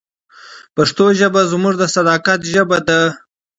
پښتو ژبه زموږ د صداقت ژبه ده.